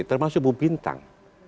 termasuk bu bintang